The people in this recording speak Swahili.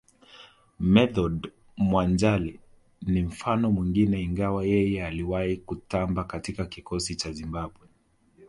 Method Mwanjale ni mfano mwingine ingawa yeye aliwahi kutamba katika kikosi cha Zimbabwe